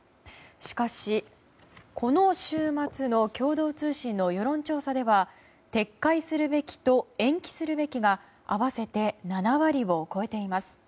しかし、この週末の共同通信の世論調査では撤回するべきと、延期するべきが合わせて７割を超えています。